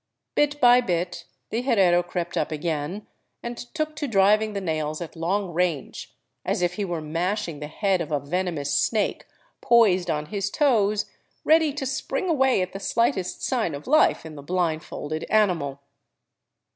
Bit by bit the herrero crept up again and took to driving the nails at long range, as if he were mashing the head of a venomous snake, poised on his toes, ready to spring away at the slightest sign of life in the blindfolded 3S9 VAGABONDING DOWN THE ANDES animal.